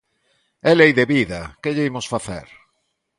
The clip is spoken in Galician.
É lei de vida, que lle imos facer.